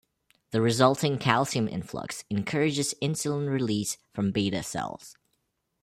The resulting calcium influx encourages insulin release from beta cells.